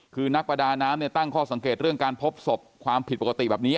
คือนักประดาน้ำเนี่ยตั้งข้อสังเกตเรื่องการพบศพความผิดปกติแบบนี้